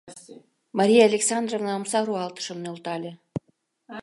Мария Александровна омса руалтышым нӧлтале.